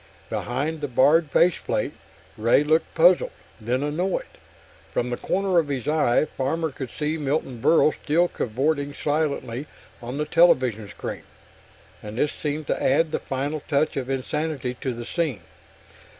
Behind the barred faceplate, Ray looked puzzled, then annoyed. From the corner of his eye, Farmer could see Milton Berle still cavorting silently on the television screen, and this seemed to add the final touch of insanity to the scene.